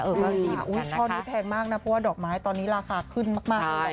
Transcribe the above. ช่อนี้แพงมากนะเพราะว่าดอกไม้ตอนนี้ราคาขึ้นมากเลย